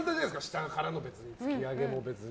下からの突き上げも、別に。